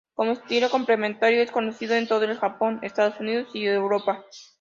Como estilo complementario, es conocido en todo el Japón, Estados Unidos y Europa.